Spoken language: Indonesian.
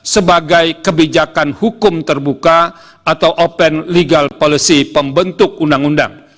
sebagai kebijakan hukum terbuka atau open legal policy pembentuk undang undang